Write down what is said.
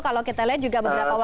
kalau kita lihat juga beberapa waktu